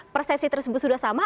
persepsi tersebut sudah sama